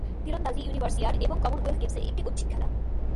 তীরন্দাজী Universiade এবং Commonwealth গেমসে একটি ঐচ্ছিক খেলা।